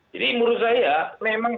jadi menurut saya memang